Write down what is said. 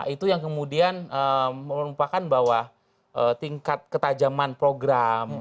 itu yang kemudian merupakan bahwa tingkat ketajaman program